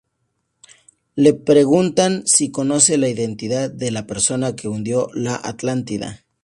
Le preguntan si conoce la identidad de la persona que hundió la Atlántida.